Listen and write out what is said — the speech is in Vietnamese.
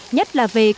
nhất là về cây mía